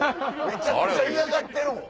めちゃくちゃ嫌がってるん！